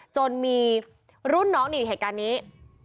จนมีรุ่นน้องหนีอดทนไว้ตอนเหตุการณ์นี้